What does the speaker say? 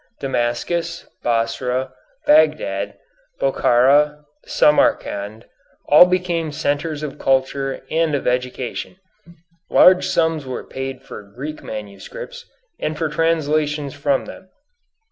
Damascus, Basra, Bagdad, Bokhara, Samarcand all became centres of culture and of education. Large sums were paid for Greek manuscripts, and for translations from them.